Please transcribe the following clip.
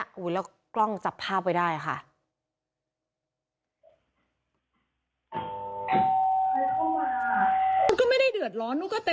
โอ้โหแล้วกล้องจับภาพไว้ได้ค่ะ